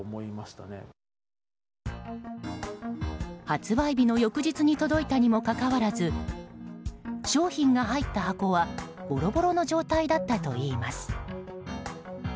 発売日の翌日に届いたにもかかわらず商品が入った箱はボロボロの状態だったといいます。